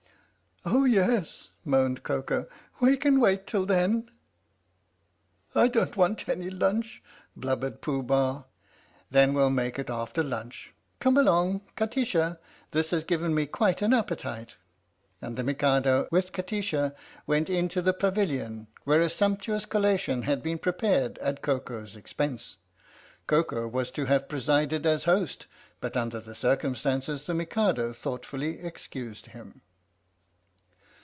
" Oh, yes," moaned Koko, "we can wait till then !" 105 THE STORY OF THE MIKADO " I don't want any lunch," blubbered Pooh Bah. "Then we'll make it after luncheon. Come along, Kati sha, this has given me quite an appetite." And the Mikado, with Kati sha, went into the 1 06 THE STORY OF THE MIKADO pavilion, where a sumptuous collation had been prepared at Koko's expense. Koko was to have presided as host, but under the circumstances the Mikado thoughtfully excused him.